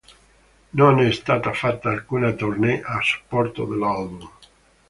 Non è stata fatta alcuna tournée a supporto dell'album.